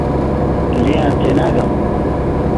لێیان تێناگەم.